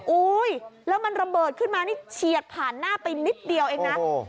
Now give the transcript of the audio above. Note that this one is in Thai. อุ้ยแล้วมันระเบิดขึ้นมานี่เฉียดผ่านหน้าไปนิดเดียวเองนะ